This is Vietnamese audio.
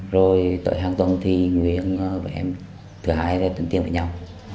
rồi tội hàng tuần thì nguyên và em thứ hai sẽ tấn tiên với nhau